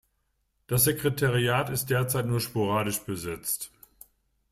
Das Sekretariat ist derzeit nur sporadisch besetzt.